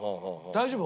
「大丈夫？